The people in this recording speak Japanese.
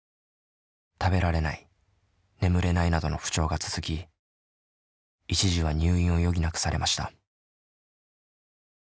食べられない眠れないなどの不調が続き一時は入院を余儀なくされました。